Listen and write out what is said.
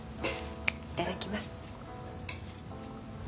いただきます。